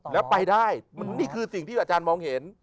แล้วไปได้นี่คือสิ่งที่อาจารย์มองเห็น